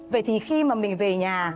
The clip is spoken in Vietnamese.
vậy thì khi mà mình về nhà